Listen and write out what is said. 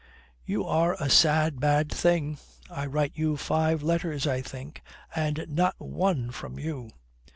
"You are a sad bad thing. I writ you five letters, I think, and not one from you."